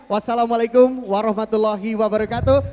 wassalamualaikum warahmatullahi wabarakatuh